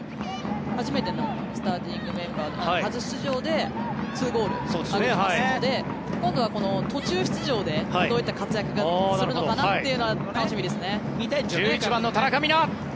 初めてのスターティングメンバー初出場で２ゴール挙げていますので今度は途中出場でどういった活躍をするのか１１番の田中美南。